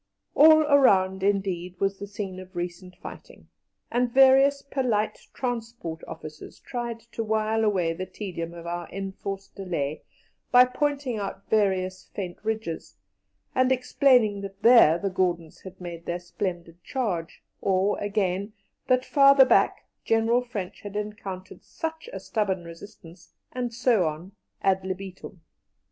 All around, indeed, was the scene of recent fighting, and various polite transport officers tried to while away the tedium of our enforced delay by pointing out various faint ridges, and explaining that there the Gordons had made their splendid charge, or, again, that farther back General French had encountered such a stubborn resistance, and so on, ad libitum.